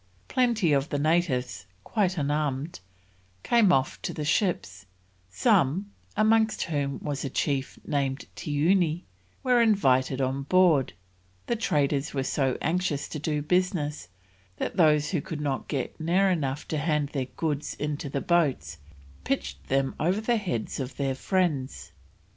Plenty of the natives, quite unarmed, came off to the ships, some, amongst whom was a chief named Tioony, were invited on board; the traders were so anxious to do business, that those who could not get near enough to hand their goods into the boats, pitched them over the heads of their friends.